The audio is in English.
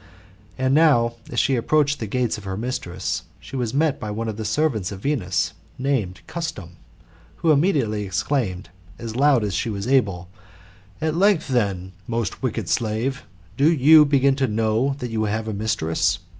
And now, as she approached the gates of. her mistress, she was met by one of the servants of Venus, named Custom, who immediately €!!xclaimed, as loud as she was able,* "At length, then, most wicked slave, do you begin to know that you have a mistress